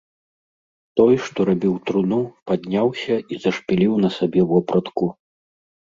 Той, што рабіў труну, падняўся і зашпіліў на сабе вопратку.